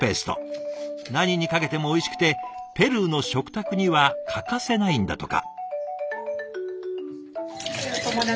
何にかけてもおいしくてペルーの食卓には欠かせないんだとか。